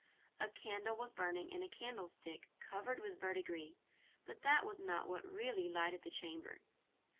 A candle was burning in a candlestick covered with verdigris, but that was not what really lighted the chamber.